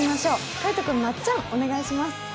海音君、まっちゃん、お願いします。